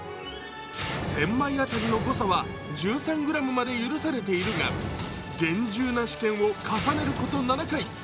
１０００枚当たりの誤差は１３ｇまで許されているが厳重な試験を重ねること７回。